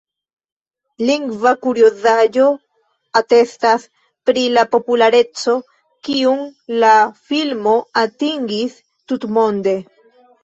Lingva kuriozaĵo atestas pri la populareco kiun la filmo atingis tutmonde.